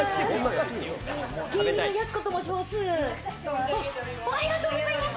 芸人のやす子と申します。